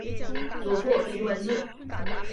祖父徐文质。